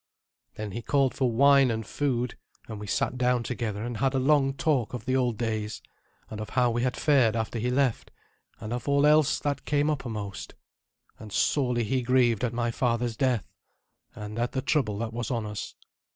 Then he called for wine and food; and we sat down together and had a long talk of the old days, and of how we had fared after he left, and of all else that came uppermost. And sorely he grieved at my father's death, and at the trouble that was on us.